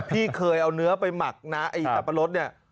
พี่เคยเอาเนื้อไปหมักนะไอ้สับปะรดเนี่ย